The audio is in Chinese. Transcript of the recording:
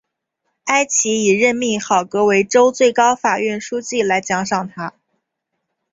埃奇以任命赫格为州最高法院书记来奖赏他。